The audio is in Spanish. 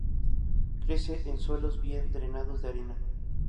Crece en suelos bien drenados de arena.